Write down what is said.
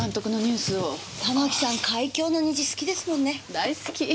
大好き。